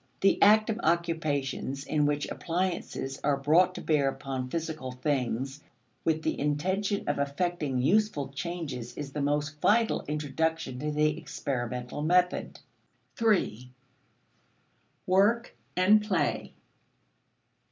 The active occupations in which appliances are brought to bear upon physical things with the intention of effecting useful changes is the most vital introduction to the experimental method. 3. Work and Play.